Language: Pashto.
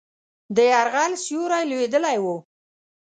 د یرغل سیوری لوېدلی وو.